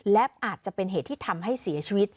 และอาจจะเป็นเหตุที่ทำให้เสียชีวิต